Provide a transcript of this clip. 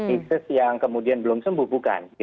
isis yang kemudian belum sembuh bukan